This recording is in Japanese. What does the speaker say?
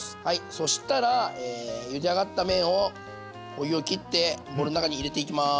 そしたらゆで上がった麺をお湯を切ってボウルの中に入れていきます。